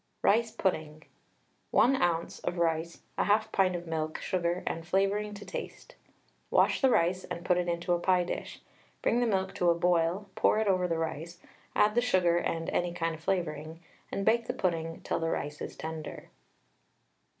RICE PUDDING. 1 oz. of rice, 1/2 pint of milk, sugar and flavouring to taste. Wash the rice and put it into a pie dish. Bring the milk to the boil, pour it over the rice, add the sugar and any kind of flavouring, and bake the pudding till the rice is tender.